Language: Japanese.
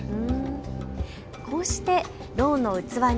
こうして、ろうの器に